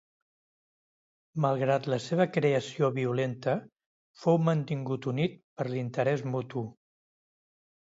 Malgrat la seva creació violenta, fou mantingut unit per l'interès mutu.